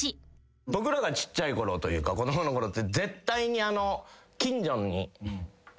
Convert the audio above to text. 僕らがちっちゃい頃というか子供の頃って絶対に。